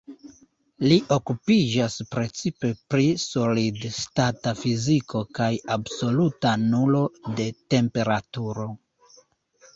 Li okupiĝas precipe pri solid-stata fiziko kaj absoluta nulo de temperaturo.